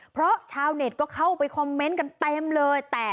เพราะชาวเน็ตก็เข้าไปคอมเมนต์กันเต็มเลย